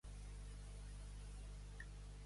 —Què hi ha per a dinar? —Pets amb merda i bacallà.